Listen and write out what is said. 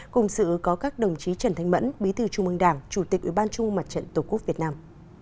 cùng sự có các đồng chí trần thanh mẫn bí thư trung mương đảng chủ tịch ủy ban trung mương mặt trận tổ quốc việt nam